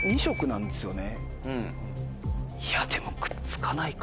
いやでもくっつかないか。